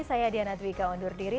saya diana dwika undur diri